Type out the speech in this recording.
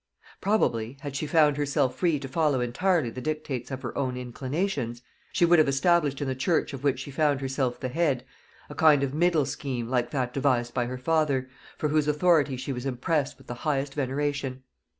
Probably, had she found herself free to follow entirely the dictates of her own inclinations, she would have established in the church of which she found herself the head, a kind of middle scheme like that devised by her father, for whose authority she was impressed with the highest veneration.